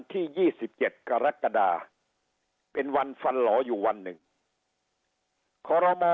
ที่ยี่สิบเจ็ดกรกฎาเป็นวันฟันหลออยู่วันหนึ่งคลมอ